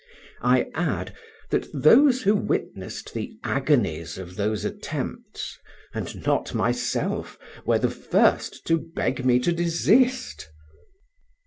I add, that those who witnessed the agonies of those attempts, and not myself, were the first to beg me to desist.